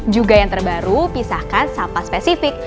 juga yang terbaru pisahkan sampah spesifik